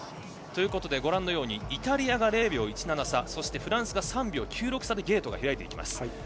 ということで、イタリアが０秒１７差そしてフランスが３秒９６差でゲートが開きます。